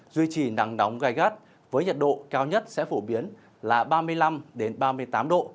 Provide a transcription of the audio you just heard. duy trì nắng nóng gai gắt với nhiệt độ cao nhất sẽ phổ biến là ba mươi năm ba mươi tám độ